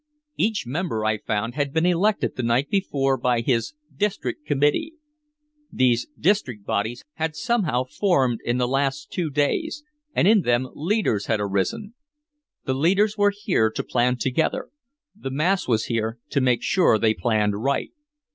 Each member, I found, had been elected the night before by his "district committee." These district bodies had somehow formed in the last two days and in them leaders had arisen. The leaders were here to plan together, the mass was here to make sure they planned right.